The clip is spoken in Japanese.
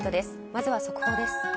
まずは速報です。